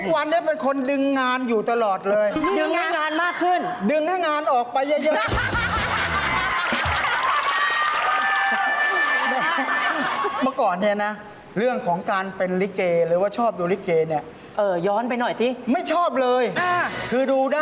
ไม่ชอบเลยคือดูได้แต่ไม่ชอบแต่ไม่ชอบโอเค